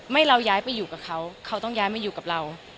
เราย้ายไปอยู่กับเขาเขาต้องย้ายมาอยู่กับเรา